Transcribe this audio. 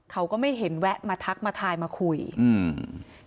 เขาก็ไม่เห็นแวะมาทักมาทายมาคุยอืม